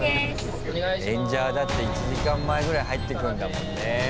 演者はだって１時間前ぐらいに入ってくるんだもんね。